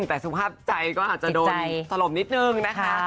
แต่สุภาพใจก็อาจจะโดนถล่มนิดนึงนะคะ